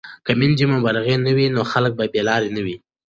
که میندې مبلغې وي نو خلک به بې لارې نه وي.